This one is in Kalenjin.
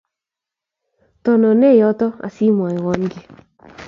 Tono en yoto asiamwoun kiy.